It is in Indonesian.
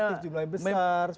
jumlah yang besar